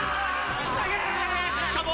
しかも。